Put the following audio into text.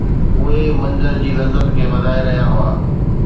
اهي منظر جي لذت کي وڌائي رهيا هئا